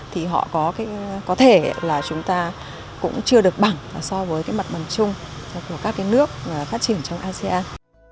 thì họ có thể là chúng ta cũng chưa được bằng so với cái mặt bằng chung của các cái nước phát triển trong asean